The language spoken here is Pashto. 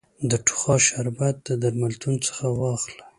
د ټوخا شربت د درملتون څخه واخلی